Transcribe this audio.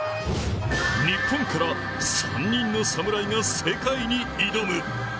日本から３人の侍が世界に挑む。